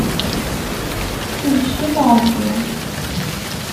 Ibecc-it Ṛebbi.